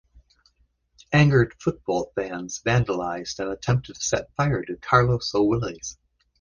Angered football fans vandalized and attempted to set fire to "Carlos O’ Willys".